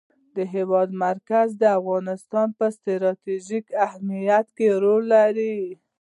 د هېواد مرکز د افغانستان په ستراتیژیک اهمیت کې رول لري.